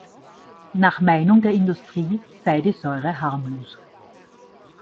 Nach Meinung der Industrie sei die Säure harmlos.